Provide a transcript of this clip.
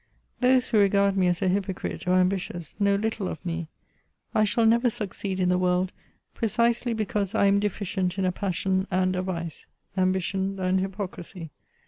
Those who regard me as a hypocrite, or ambi tious, know Uttle of me. I shall never succeed in the world, precisely because I am deficient in a passion and a vice — ambition and hypocrisy.